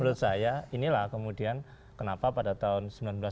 menurut saya inilah kemudian kenapa pada tahun seribu sembilan ratus sembilan puluh